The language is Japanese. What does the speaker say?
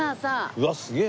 うわっすげえな。